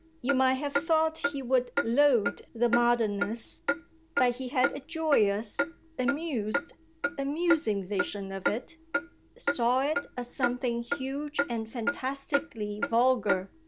You might have thought he would loathe that modernness; but he had a joyous, amused, amusing vision of it saw it as something huge and fantastically vulgar.